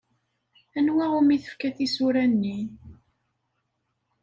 Anwa umi tefka tisura-nni?